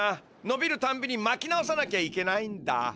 のびるたんびにまき直さなきゃいけないんだ。